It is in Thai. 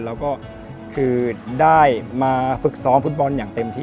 แล้วก็คือได้มาฝึกซ้อมฟุตบอลอย่างเต็มที่